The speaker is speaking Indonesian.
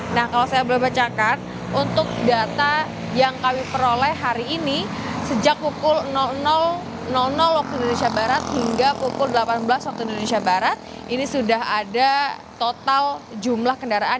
nah kalau saya boleh bacakan untuk data yang kami peroleh hari ini sejak pukul waktu indonesia barat hingga pukul delapan belas waktu indonesia barat ini sudah ada total jumlah kendaraan